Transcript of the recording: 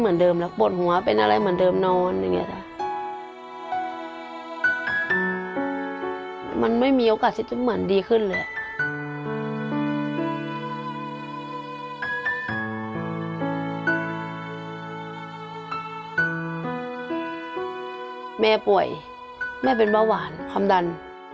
แม่ป่วยแม่เป็นเบาหวานความดัน